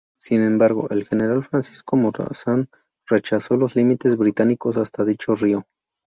Sin embargo, el General Francisco Morazán rechazó los límites británicos hasta dicho río.